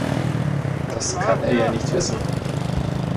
Das kann er ja nicht wissen.